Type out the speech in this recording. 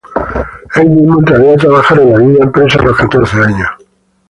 Él mismo entraría a trabajar en la misma empresa a los catorce años.